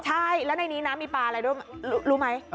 ใช่แล้วในนี้นะมีปลาอะไรด้วยรู้ไหม